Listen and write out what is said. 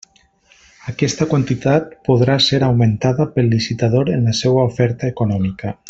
Aquesta quantitat podrà ser augmentada pel licitador en la seua oferta econòmica.